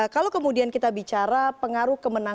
kalau kemudian kita bicara pengaruh kemenangan